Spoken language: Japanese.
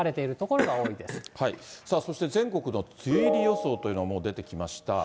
さあそして、全国の梅雨入り予想というのがもう出てきました。